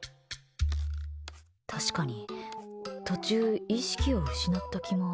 確かに途中、意識を失った気も。